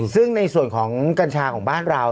ซึ่งในส่วนของกัญชาของบ้านเรา